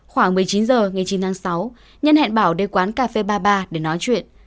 khoảng một mươi chín h ngày chín tháng sáu nhân hẹn bảo đến quán cà phê ba mươi ba để nói chuyện